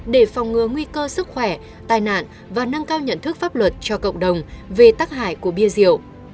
để phòng ngừa nguy cơ sức khỏe tài nạn và nâng cao nhận thức pháp luật cho cộng đồng về tác hại của bia rượu